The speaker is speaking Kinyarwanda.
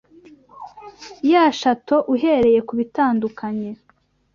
ya Chateau uhereye kubitandukanye